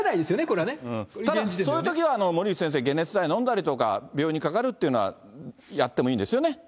ただそのときは、森内先生、解熱剤飲んだりとか、病院にかかるっていうのはやってもいいんですよね。